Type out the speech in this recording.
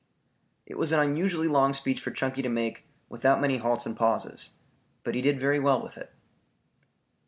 It was an unusually long speech for Chunky to make without many halts and pauses. But he did very well with it.